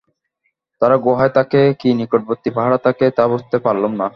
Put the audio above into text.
তারা গুহায় থাকে কি নিকটবর্তী পাহাড়ে থাকে, তা বুঝতে পারলুম না।